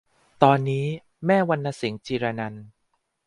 ตอนนี้ แม่วรรณสิงห์ จิรนันท์